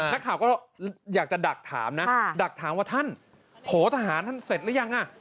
นักข่าวก็อยากจะดักถามนะดักถามว่าท่านโผทหารท่านเสร็จหรือยังอ่ะ